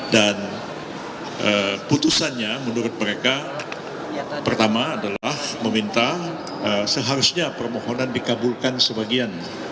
dan putusannya menurut mereka pertama adalah meminta seharusnya permohonan dikabulkan sebagian